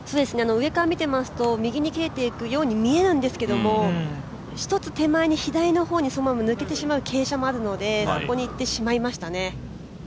上から見ていますと、右に切れていくように見えるんですけども１つ手前に左にそのまま抜けてしまう傾斜もあるのでそこにいってしまいましたね。